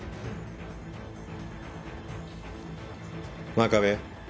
真壁？